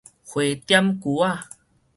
花點龜仔